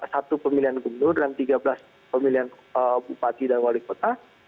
satu pemilihan gubernur dalam tiga belas pemilihan bupati dan wali kota